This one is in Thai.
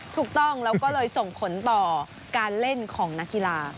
ถูกต้องแล้วก็เลยส่งผลต่อการเล่นของนักกีฬา